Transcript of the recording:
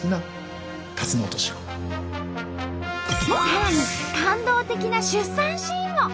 さらに感動的な出産シーンも。